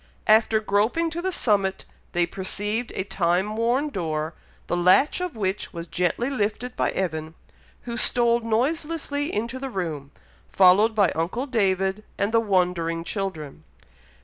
After groping to the summit, they perceived a time worn door, the latch of which was gently lifted by Evan, who stole noiselessly into the room, followed by uncle David and the wondering children.